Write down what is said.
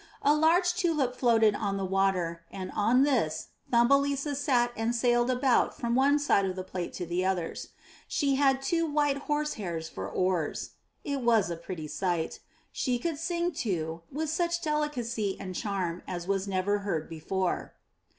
A large tulip floated on the water, and on this little Thumbelisa sat and sailed about from one side of the plate to the others; she had two white horse hairs for oars. It was a pretty sight. She could sing, too, with such delicacy and charm as was never heard before.